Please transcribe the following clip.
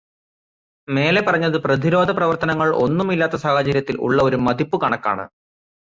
മേലെ പറഞ്ഞത് പ്രതിരോധപ്രവർത്തനങ്ങൾ ഒന്നും ഇല്ലാത്ത സാഹചര്യത്തിൽ ഉള്ള ഒരു മതിപ്പുകണക്കാണ്.